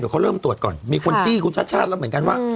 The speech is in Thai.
เขาเริ่มตรวจก่อนมีคนจี้คุณชาติชาติแล้วเหมือนกันว่า